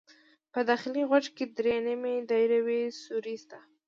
په داخلي غوږ کې درې نیم دایروي سوري شته.